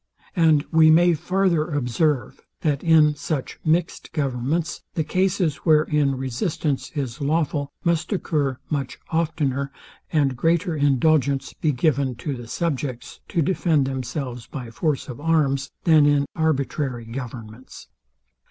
And we may farther observe, that in such mixed governments, the cases, wherein resistance is lawful, must occur much oftener, and greater indulgence be given to the subjects to defend themselves by force of arms, than in arbitrary governments.